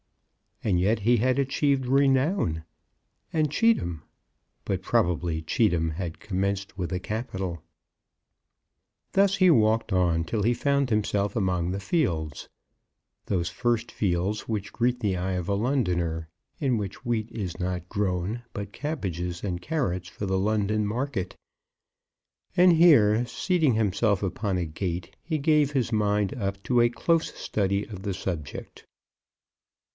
And yet he had achieved renown. And Cheetham; but probably Cheetham had commenced with a capital. Thus he walked on till he found himself among the fields, those first fields which greet the eyes of a Londoner, in which wheat is not grown, but cabbages and carrots for the London market; and here seating himself upon a gate, he gave his mind up to a close study of the subject.